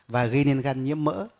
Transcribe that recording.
và gây nên gan nhiễm mỡ